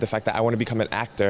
dan faktanya aku ingin menjadi aktor